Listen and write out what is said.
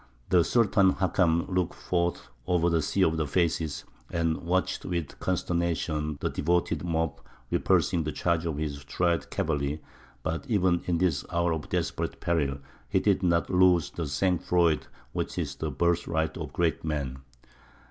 The Sultan Hakam looked forth over the sea of faces, and watched with consternation the devoted mob repulsing the charge of his tried cavalry; but even in this hour of desperate peril he did not lose the sang froid which is the birthright of great men.